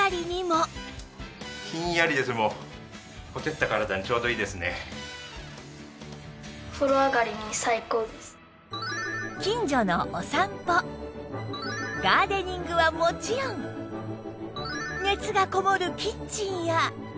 さらに近所のお散歩ガーデニングはもちろん熱がこもるキッチンや